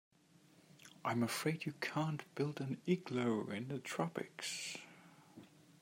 I'm afraid you can't build an igloo in the tropics.